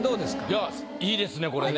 いやいいですねこれね。